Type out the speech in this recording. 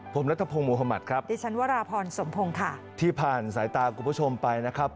ผมรัฐพงธ์มุธมัติครับที่ผ่านสายตากลุ่มผู้ชมไปนะครับ